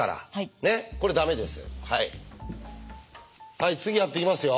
はい次やっていきますよ。